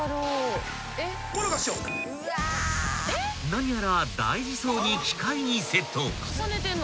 ［何やら大事そうに機械にセット］